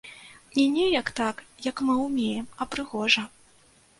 Не неяк так, як мы ўмеем, а прыгожа.